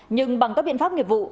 nhưng bằng các biện pháp nghiệp vụ